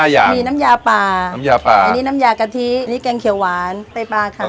มีน้ำยาปลาน้ำยาปลาอันนี้น้ำยากะทิอันนี้แกงเขียวหวานไตปลาค่ะ